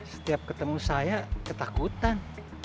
setiap ketemu saya ketakutan